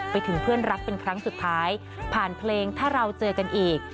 ไปถึงเพื่อนรักเป็นครั้งสุดท้ายผ่านเพลงถ้าเราเจอกันอีก